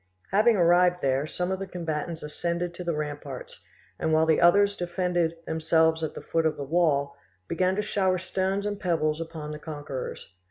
Having arrived there, some of the combatants ascended to the ramparts, and while the others defended themselves at the foot of the wall, began to shower stones and pebbles upon the conquerors.